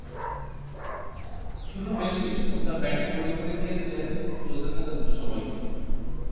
শুরুর বেশ কিছুক্ষণ তাঁর ব্যাটিং মনে করিয়ে দিয়েছে চলতে থাকা দুঃসময়কে।